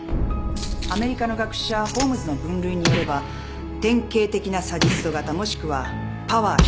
アメリカの学者ホームズの分類によれば典型的なサディスト型もしくはパワー主張型の手口。